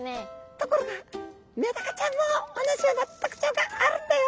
ところがメダカちゃんも同じような特徴があるんだよ！